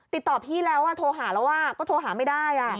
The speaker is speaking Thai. ติดต่อพี่แล้วโทรหาแล้วก็โทรหาไม่ได้